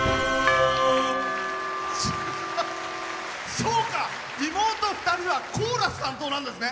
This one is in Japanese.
そうか、妹２人はコーラス担当なんですね。